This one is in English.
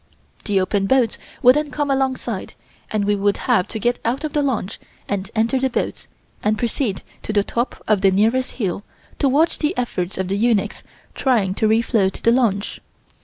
The open boats would then come alongside and we would have to get out of the launch and enter the boats and proceed to the top of the nearest hill to watch the efforts of the eunuchs trying to refloat the launch.